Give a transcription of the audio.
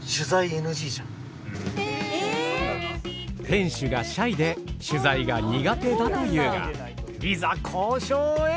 店主がシャイで取材が苦手だというがいざ交渉へ。